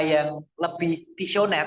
yang lebih visioner